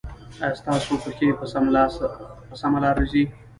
ایا ستاسو پښې په سمه لار ځي؟